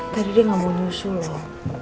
tadi dia gak mau nyusuk loh